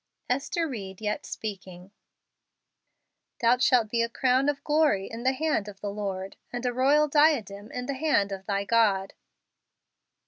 Ester Ried yet Speaking. " Thou shalt be a crown of glory in the hand of the Lord , and a royal diadem in the hand of thy God."